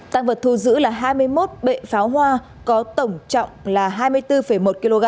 tăng vật thu giữ là hai mươi một bệ pháo hoa có tổng trọng là hai mươi bốn một kg